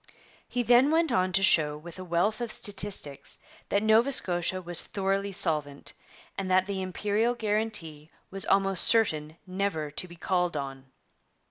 He then went on to show with a wealth of statistics that Nova Scotia was thoroughly solvent, and that the Imperial guarantee was almost certain never to be called on.